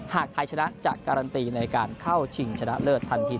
หากไทยชนะจะการันตีในการเข้าชิงชนะเลิศทันที